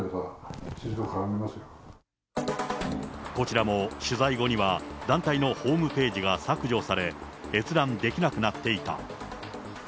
こちらも取材後には、団体のホームページが削除され、閲覧できなくなっていた。